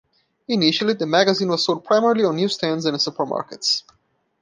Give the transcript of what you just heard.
Initially, the magazine was sold primarily on newsstands and in supermarkets.